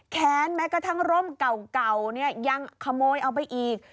แค้นแม้กระทั่งร่มเก่าเนี่ยยังขโมยเอาไปอีก